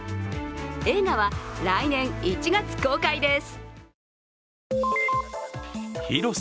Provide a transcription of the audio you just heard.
映画は、来年１月公開です。